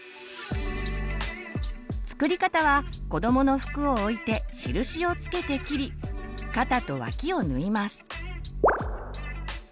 作り方はこどもの服を置いて印を付けて切り肩と脇を縫います。